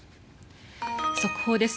速報です。